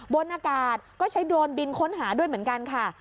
บนอากาศก็ใช้โดรนบินค้นหาด้วยเหมือนกันค่ะ